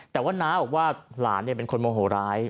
แต่ว่าน้าบอกว่าหลานเป็นคนโมโหร้าย